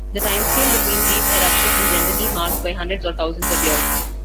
The timescale between these eruptions is generally marked by hundreds or thousands of years.